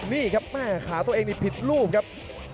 นี่ครับแม่ขาตัวเองนี่ผิดลูกครับ